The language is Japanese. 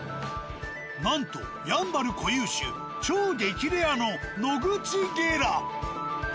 なんとやんばる固有種超激レアのノグチゲラ。